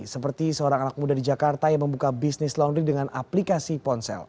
seperti seorang anak muda di jakarta yang membuka bisnis laundry dengan aplikasi ponsel